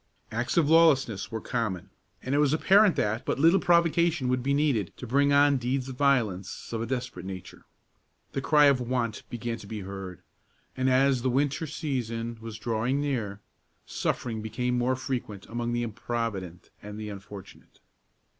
Acts of lawlessness were common, and it was apparent that but little provocation would be needed to bring on deeds of violence of a desperate nature. The cry of want began to be heard, and, as the winter season was drawing near, suffering became more frequent among the improvident and the unfortunate.